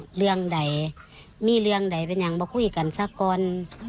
เลื่องใดมีเลื่องใดเคยคุยกันสักคน